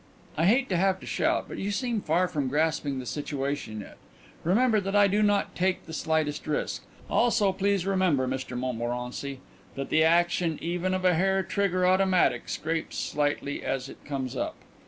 I hate to have to shout, but you seem far from grasping the situation yet. Remember that I do not take the slightest risk. Also please remember, Mr Montmorency, that the action even of a hair trigger automatic scrapes slightly as it comes up.